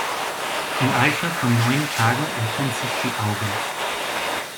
Im Alter von neun Tagen öffnen sich die Augen.